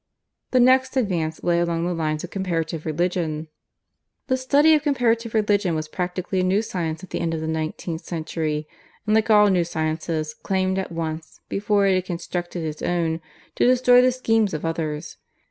"The next advance lay along the lines of Comparative Religion. "The study of Comparative Religion was practically a new science at the end of the nineteenth century, and like all new sciences, claimed at once, before it had constructed its own, to destroy the schemes of others.